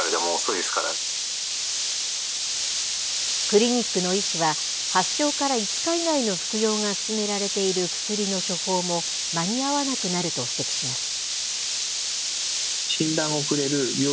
クリニックの医師は、発症から５日以内の服用が勧められている薬の処方も間に合わなくなると指摘します。